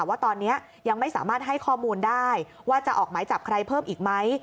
ว่าตอนนี้ยังไม่สามารถให้ข้อมูลได้ว่าจะออกหมายจับใครเพิ่มอีกไหม